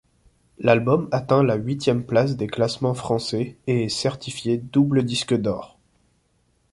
L'album atteint la huitième place des classements français et est certifié double disque d'or.